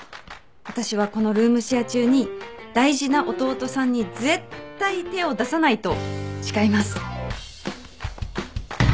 私はこのルームシェア中に大事な弟さんに絶対手を出さないと誓います。